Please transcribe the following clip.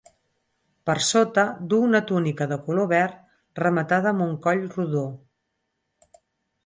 Per sota du una túnica de color verd rematada amb un coll rodó.